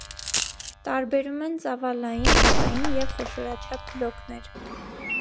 Տարբերում են ծավալային, հատային և խոշորաչափ բլոկներ։